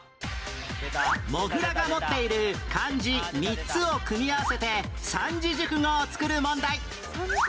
モグラが持っている漢字３つを組み合わせて三字熟語を作る問題